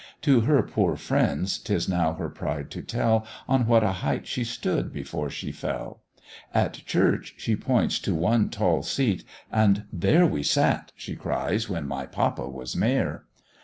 To her poor friends 'tis now her pride to tell, On what a height she stood before she fell; At church she points to one tall seat, and "There We sat," she cries, "when my papa was mayor."